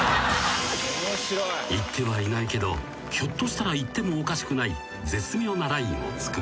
［言ってはいないけどひょっとしたら言ってもおかしくない絶妙なラインを突く］